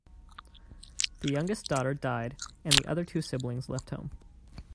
The youngest daughter died and the other two siblings left home.